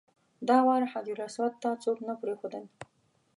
دا وار حجرالاسود ته څوک نه پرېښودل.